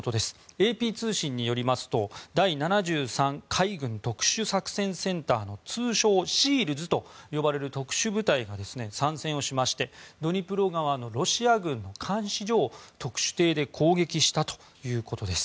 ＡＰ通信によりますと第７３海軍特殊作戦センターの通称ＳＥＡＬｓと呼ばれる特殊部隊が参戦をしまして、ドニプロ川のロシア軍の監視所を特殊艇で攻撃したということです。